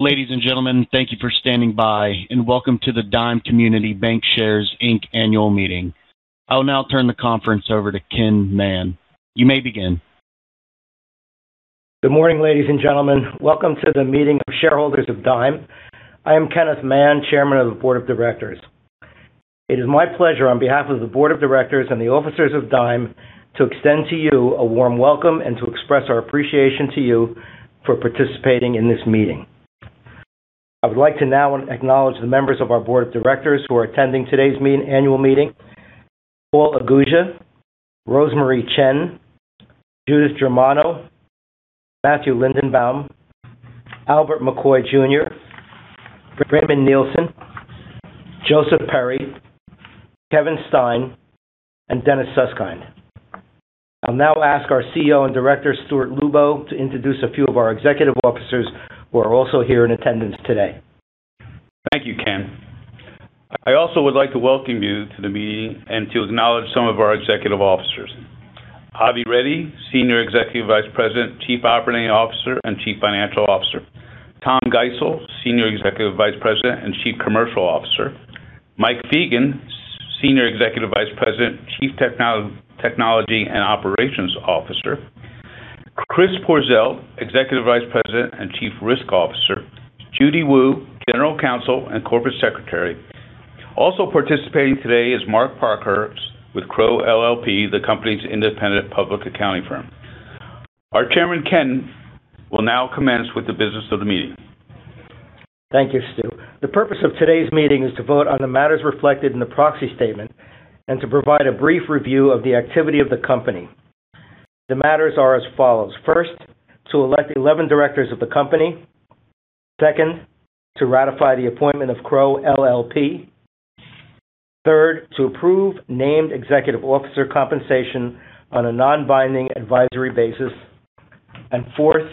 Ladies and gentlemen, thank you for standing by, and welcome to the Dime Community Bancshares, Inc. annual meeting. I will now turn the conference over to Ken Mahon. You may begin. Good morning, ladies and gentlemen. Welcome to the meeting of shareholders of Dime. I am Kenneth J. Mahon, Chairman of the Board of Directors. It is my pleasure on behalf of the Board of Directors and the officers of Dime to extend to you a warm welcome and to express our appreciation to you for participating in this meeting. I would like to now acknowledge the members of our Board of Directors who are attending today's annual meeting. Paul Aguggia, Rosemarie Chen, Judith Germano, Matthew Lindenbaum, Albert McCoy Jr., Raymond Nielsen, Joseph Perry, Kevin Stein, and Dennis Suskind. I'll now ask our CEO and Director, Stuart Lubow, to introduce a few of our executive officers who are also here in attendance today. Thank you, Ken. I also would like to welcome you to the meeting and to acknowledge some of our Executive Officers. Avinash Reddy, Senior Executive Vice President, Chief Operating Officer, and Chief Financial Officer. Thomas Geisel, Senior Executive Vice President and Chief Commercial Officer. Michael Fegan, Senior Executive Vice President, Chief Technology and Operations Officer. Christopher Porzelt, Executive Vice President and Chief Risk Officer. Judy Wu, General Counsel and Corporate Secretary. Also participating today is Mark Parkhurst with Crowe LLP, the company's independent public accounting firm. Our Chairman, Ken, will now commence with the business of the meeting. Thank you, Stu. The purpose of today's meeting is to vote on the matters reflected in the proxy statement and to provide a brief review of the activity of the company. The matters are as follows. First, to elect 11 directors of the company. Second, to ratify the appointment of Crowe LLP. Third, to approve named executive officer compensation on a non-binding advisory basis. Fourth,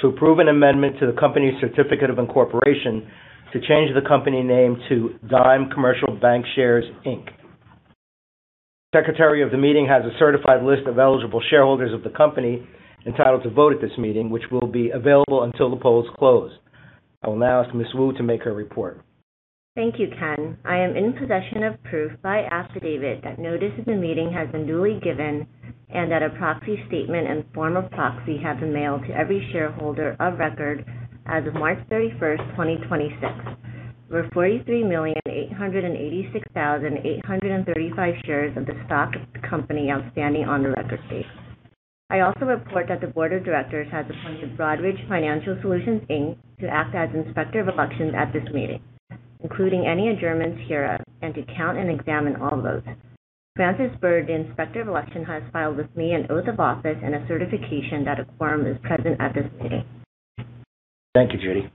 to approve an amendment to the company's certificate of incorporation to change the company name to Dime Commercial Bancshares Inc. The secretary of the meeting has a certified list of eligible shareholders of the company entitled to vote at this meeting, which will be available until the polls close. I will now ask Ms. Wu to make her report. Thank you, Ken. I am in possession of proof by affidavit that notice of the meeting has been duly given and that a proxy statement and form of proxy have been mailed to every shareholder of record as of March 31st, 2026. There were 43,886,835 shares of the stock of the company outstanding on the record date. I also report that the board of directors has appointed Broadridge Financial Solutions, Inc. to act as inspector of elections at this meeting, including any adjournments hereof, and to count and examine all votes. Francis Bird, the inspector of election, has filed with me an oath of office and a certification that a quorum is present at this meeting. Thank you, Judy.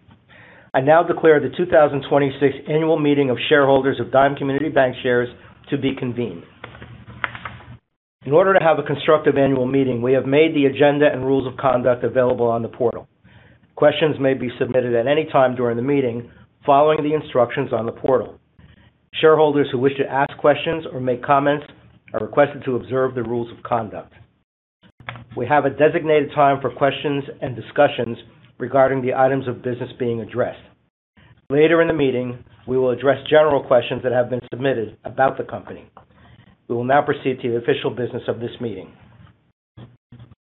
I now declare the 2026 annual meeting of shareholders of Dime Community Bancshares to be convened. In order to have a constructive annual meeting, we have made the agenda and rules of conduct available on the portal. Questions may be submitted at any time during the meeting, following the instructions on the portal. Shareholders who wish to ask questions or make comments are requested to observe the rules of conduct. We have a designated time for questions and discussions regarding the items of business being addressed. Later in the meeting, we will address general questions that have been submitted about the company. We will now proceed to the official business of this meeting.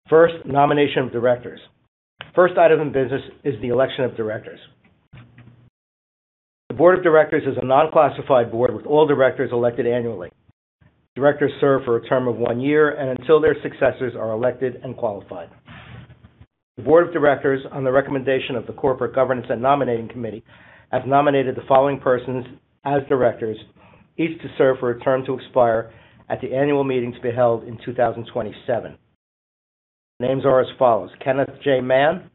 First, nomination of directors. First item of business is the election of directors. The board of directors is a non-classified board with all directors elected annually. Directors serve for a term of one year and until their successors are elected and qualified. The board of directors, on the recommendation of the corporate governance and nominating committee, have nominated the following persons as Directors, each to serve for a term to expire at the annual meeting to be held in 2027. The names are as follows: Kenneth J. Mahon,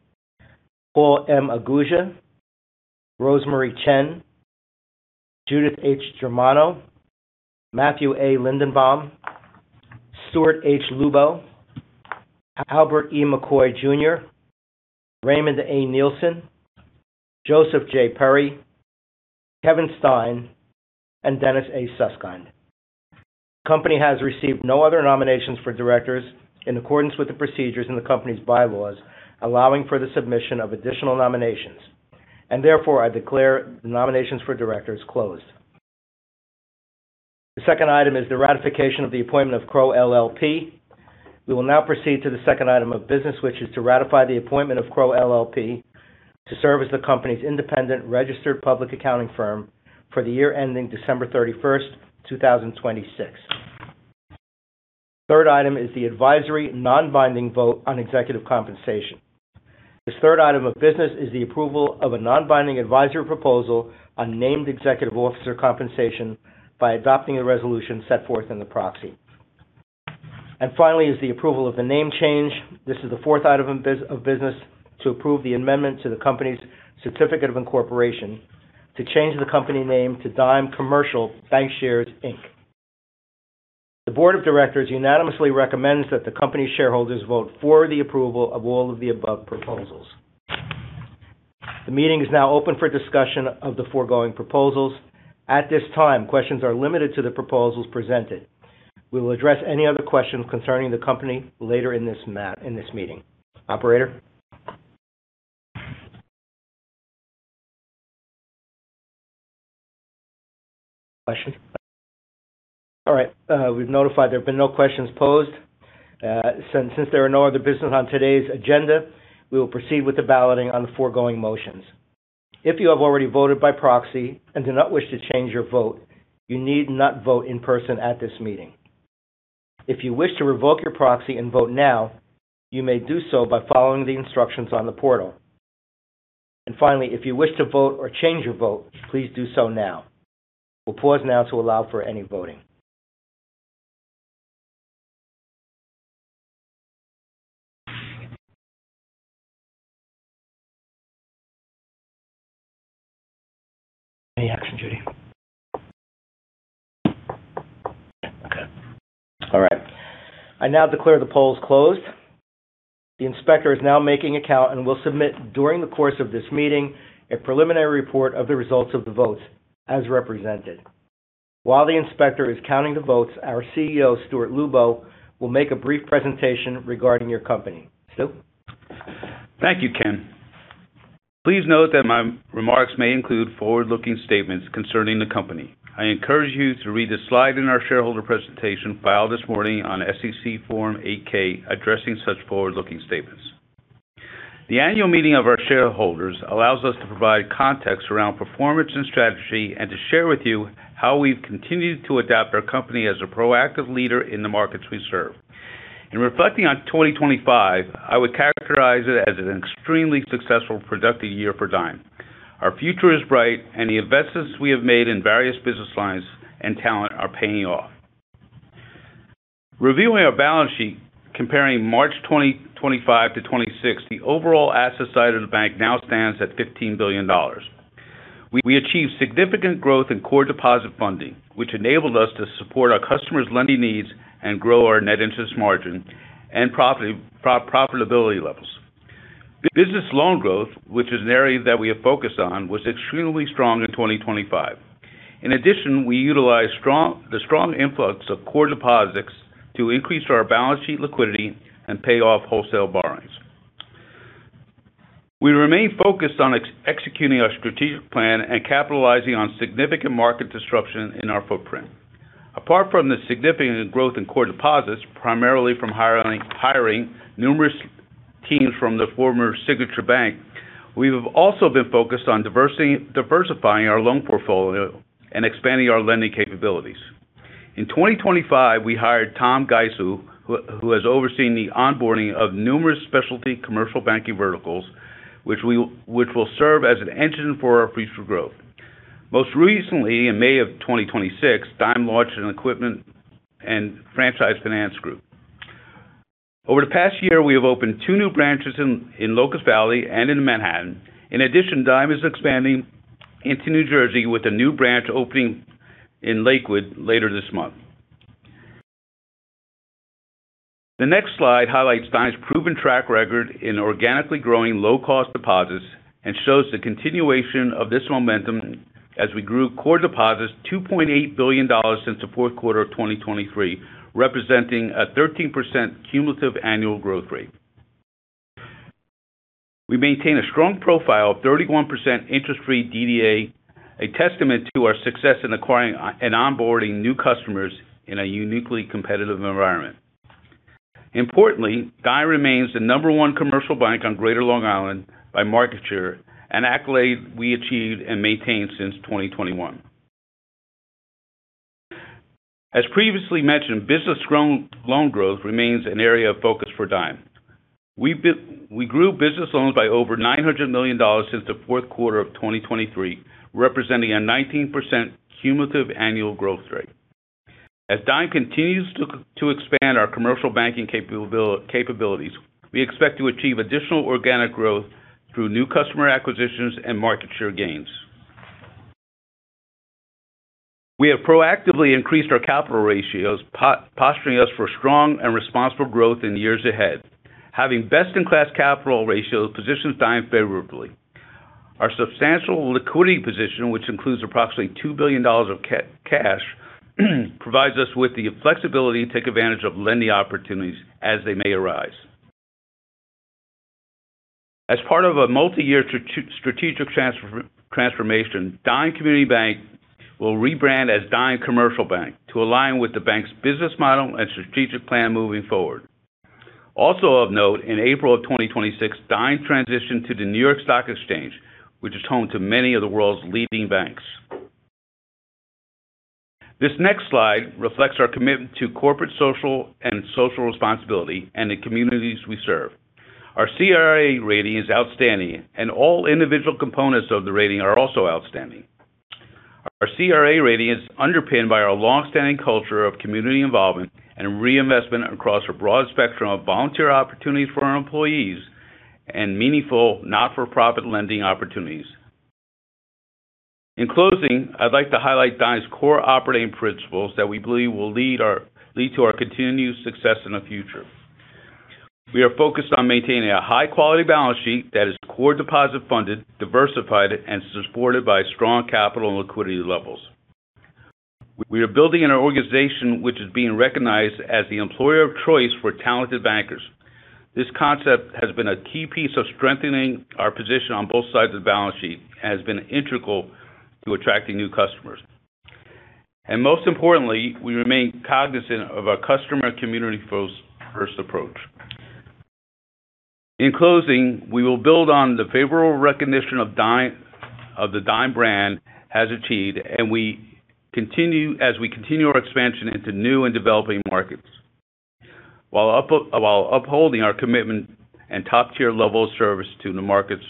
Paul M. Aguggia, Rosemarie Chen, Judith H. Germano, Matthew A. Lindenbaum, Stuart H. Lubow, Albert E. McCoy Jr., Raymond A. Nielsen, Joseph J. Perry, Kevin Stein, and Dennis A. Suskind. The company has received no other nominations for Directors in accordance with the procedures in the company's bylaws allowing for the submission of additional nominations, therefore, I declare the nominations for Directors closed. The second item is the ratification of the appointment of Crowe LLP. We will now proceed to the second item of business, which is to ratify the appointment of Crowe LLP to serve as the company's independent registered public accounting firm for the year ending December 31st, 2026. Third item is the advisory non-binding vote on executive compensation. This third item of business is the approval of a non-binding advisory proposal on named executive officer compensation by adopting a resolution set forth in the proxy. Finally is the approval of the name change. This is the fourth item of business to approve the amendment to the company's certificate of incorporation to change the company name to Dime Commercial Bancshares Inc. The board of directors unanimously recommends that the company's shareholders vote for the approval of all of the above proposals. The meeting is now open for discussion of the foregoing proposals. At this time, questions are limited to the proposals presented. We'll address any other questions concerning the company later in this meeting. Operator? No questions. All right. We've been notified there have been no questions posed. Since there are no other business on today's agenda, we will proceed with the balloting on the foregoing motions. If you have already voted by proxy and do not wish to change your vote, you need not vote in person at this meeting. If you wish to revoke your proxy and vote now, you may do so by following the instructions on the portal. Finally, if you wish to vote or change your vote, please do so now. We'll pause now to allow for any voting. Any action, Judy? Okay. All right. I now declare the polls closed. The inspector is now making a count and will submit during the course of this meeting a preliminary report of the results of the votes as represented. While the inspector is counting the votes, our CEO, Stuart Lubow, will make a brief presentation regarding your company. Stu? Thank you, Ken. Please note that my remarks may include forward-looking statements concerning the company. I encourage you to read the slide in our shareholder presentation filed this morning on SEC Form 8-K addressing such forward-looking statements. The annual meeting of our shareholders allows us to provide context around performance and strategy, and to share with you how we've continued to adapt our company as a proactive leader in the markets we serve. In reflecting on 2025, I would characterize it as an extremely successful, productive year for Dime. Our future is bright, and the investments we have made in various business lines and talent are paying off. Reviewing our balance sheet comparing March 2025 to 2026, the overall asset side of the bank now stands at $15 billion. We achieved significant growth in core deposit funding, which enabled us to support our customers' lending needs and grow our net interest margin and profitability levels. Business loan growth, which is an area that we have focused on, was extremely strong in 2025. In addition, we utilized the strong influx of core deposits to increase our balance sheet liquidity and pay off wholesale borrowings. We remain focused on executing our strategic plan and capitalizing on significant market disruption in our footprint. Apart from the significant growth in core deposits, primarily from hiring numerous teams from the former Signature Bank, we have also been focused on diversifying our loan portfolio and expanding our lending capabilities. In 2025, we hired Tom Geisel, who has overseen the onboarding of numerous specialty commercial banking verticals, which will serve as an engine for our future growth. Most recently, in May of 2026, Dime launched an equipment and franchise finance group. Over the past year, we have opened two new branches in Locust Valley and in Manhattan. In addition, Dime is expanding into New Jersey with a new branch opening in Lakewood later this month. The next slide highlights Dime's proven track record in organically growing low-cost deposits and shows the continuation of this momentum as we grew core deposits $2.8 billion since the fourth quarter of 2023, representing a 13% cumulative annual growth rate. We maintain a strong profile of 31% interest-free DDA, a testament to our success in acquiring and onboarding new customers in a uniquely competitive environment. Importantly, Dime remains the number one commercial bank on Greater Long Island by market share, an accolade we achieved and maintained since 2021. As previously mentioned, business loan growth remains an area of focus for Dime. We grew business loans by over $900 million since the fourth quarter of 2023, representing a 19% cumulative annual growth rate. As Dime continues to expand our commercial banking capabilities, we expect to achieve additional organic growth through new customer acquisitions and market share gains. We have proactively increased our capital ratios, posturing us for strong and responsible growth in the years ahead. Having best-in-class capital ratios positions Dime favorably. Our substantial liquidity position, which includes approximately $2 billion of cash, provides us with the flexibility to take advantage of lending opportunities as they may arise. As part of a multi-year strategic transformation, Dime Community Bank will rebrand as Dime Commercial Bank to align with the bank's business model and strategic plan moving forward. Also of note, in April of 2026, Dime transitioned to the New York Stock Exchange, which is home to many of the world's leading banks. This next slide reflects our commitment to corporate and social responsibility and the communities we serve. Our CRA rating is outstanding, and all individual components of the rating are also outstanding. Our CRA rating is underpinned by our longstanding culture of community involvement and reinvestment across a broad spectrum of volunteer opportunities for our employees and meaningful not-for-profit lending opportunities. In closing, I'd like to highlight Dime's core operating principles that we believe will lead to our continued success in the future. We are focused on maintaining a high-quality balance sheet that is core deposit-funded, diversified, and supported by strong capital and liquidity levels. We are building an organization which is being recognized as the employer of choice for talented bankers. This concept has been a key piece of strengthening our position on both sides of the balance sheet and has been integral to attracting new customers. Most importantly, we remain cognizant of our customer community-first approach. In closing, we will build on the favorable recognition of the Dime brand has achieved as we continue our expansion into new and developing markets, while upholding our commitment and top-tier level of service to the markets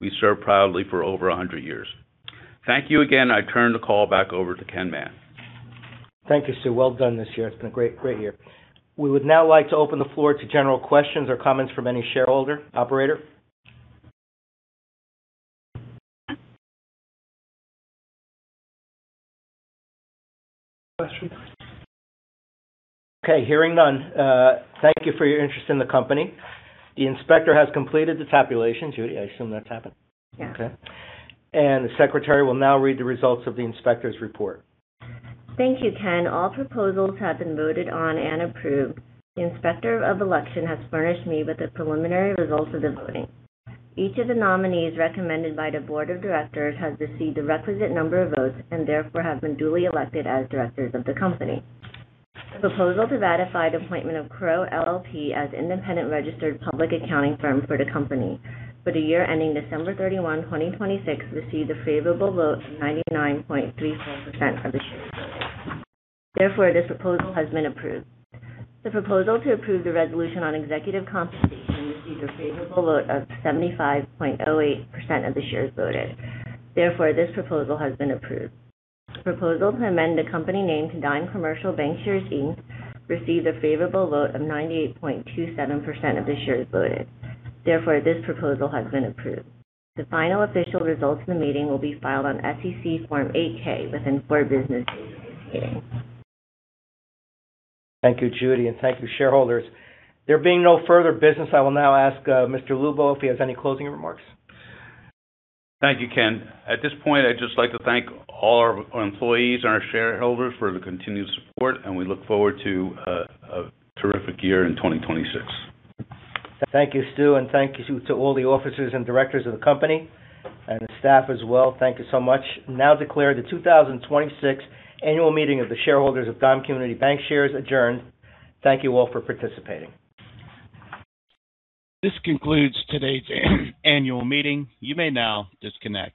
we serve proudly for over 100 years. Thank you again. I turn the call back over to Ken Mahon. Thank you, Stu. Well done this year. It's been a great year. We would now like to open the floor to general questions or comments from any shareholder. Operator? Questions? Okay, hearing none. Thank you for your interest in the company. The inspector has completed the tabulations. Judy, I assume that's happened. Yes. Okay. The secretary will now read the results of the inspector's report. Thank you, Ken. All proposals have been voted on and approved. The Inspector of Election has furnished me with the preliminary results of the voting. Each of the nominees recommended by the Board of Directors has received the requisite number of votes and therefore has been duly elected as directors of the company. The proposal to ratify the appointment of Crowe LLP as independent registered public accounting firm for the company for the year ending December 31st, 2026, received a favorable vote of 99.34% of the shares voted. Therefore, this proposal has been approved. The proposal to approve the resolution on executive compensation received a favorable vote of 75.08% of the shares voted. Therefore, this proposal has been approved. Proposal to amend the company name to Dime Commercial Bancshares, Inc., received a favorable vote of 98.27% of the shares voted. Therefore, this proposal has been approved. The final official results of the meeting will be filed on SEC Form 8-K within four business days of this meeting. Thank you, Judy, and thank you, shareholders. There being no further business, I will now ask Mr. Lubow if he has any closing remarks. Thank you, Ken. At this point, I'd just like to thank all our employees and our shareholders for the continued support, and we look forward to a terrific year in 2026. Thank you, Stu, and thank you to all the officers and directors of the company and the staff as well. Thank you so much. I now declare the 2026 Annual Meeting of the Shareholders of Dime Community Bancshares adjourned. Thank you all for participating. This concludes today's annual meeting. You may now disconnect.